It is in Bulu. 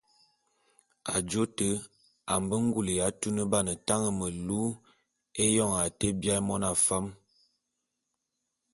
Ajô te a mbe ngule ya tuneban tañe melu éyoñ a te biaé mona fam.